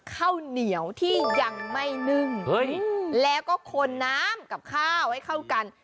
ข้าวเหนียวที่ยังไม่นึ่งแล้วก็คนน้ำกับข้าวให้เข้ากัน